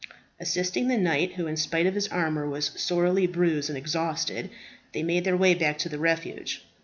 Assisting the knight, who, in spite of his armour, was sorely bruised and exhausted, they made their way back to the refuge.